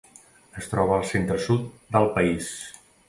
Es troba al centre-sud del país.